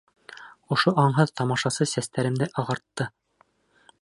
Ошо аңһыҙ тамашасы сәстәремде ағартты.